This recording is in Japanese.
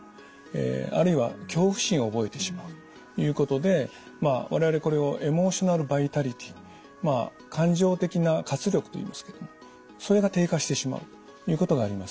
あるいは恐怖心を覚えてしまうということで我々これをエモーショナルバイタリティー感情的な活力といいますけどもそれが低下してしまうということがあります。